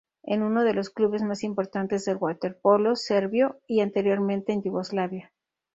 Es uno de los clubes más importantes del waterpolo serbio y anteriormente en Yugoslavia.